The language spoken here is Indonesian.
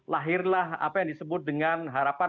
lahirlah apa yang disebut dengan harapan